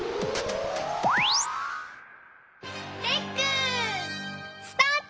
レックスタート！